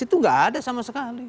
itu nggak ada sama sekali